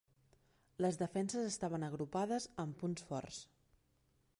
Les defenses estaven agrupades en punts forts.